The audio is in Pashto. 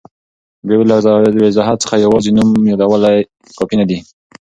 بې له وضاحت څخه یوازي نوم یادول کافي نه دي.